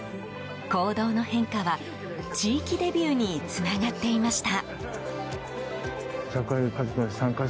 行動の変化は、地域デビューにつながっていました。